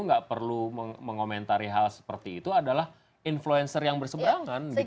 nggak perlu mengomentari hal seperti itu adalah influencer yang berseberangan